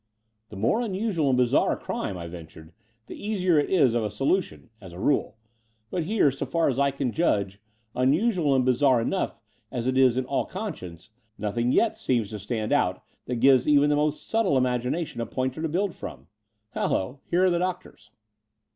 *'The more unusual and bizarre a crime," I ventured, the easier it is of solution, as a rule: but here, so far as I can judge, unusual and bizarre enough, as it is in all conscience, nothing yet seems to stand out that gives even the most subtle imagination a pointer to build from. Hallo, here are the doctors."